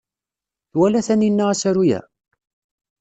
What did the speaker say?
Twala Taninna asaru-a?